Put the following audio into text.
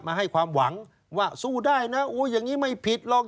ให้ความหวังว่าสู้ได้นะอย่างนี้ไม่ผิดหรอก